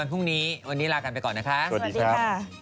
ไม่ไหวแล้วมากลับบ้านมา